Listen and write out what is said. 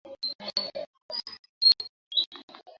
ওই রকম কুচকুরে মন না হলে কি আর এই দশা হয়?